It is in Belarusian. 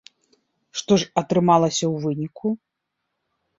Што ж атрымалася ў выніку?